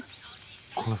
この人